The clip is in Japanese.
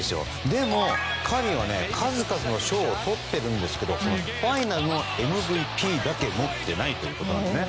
でも、カリーは数々の賞をとっているんですけどファイナルのＭＶＰだけ持っていないのでね。